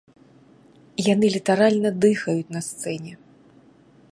Яны літаральна дыхаюць на сцэне!